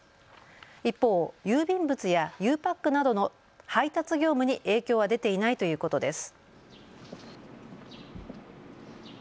一方、郵便物やゆうパックなどの配達業務に影響は出ていないということです。